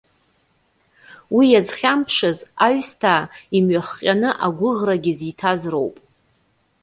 Уи иазхьамԥшыз, аҩсҭаа имҩахҟьаны агәыӷрагьы зиҭаз роуп.